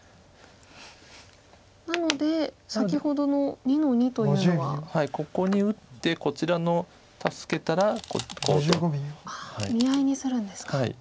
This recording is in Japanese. なので先ほどの２の二というのは。ここに打ってこちらの助けたらこうと。見合いにするんですか。